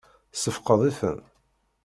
Tessefqed-iten?